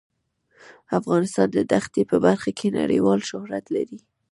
افغانستان د دښتې په برخه کې نړیوال شهرت لري.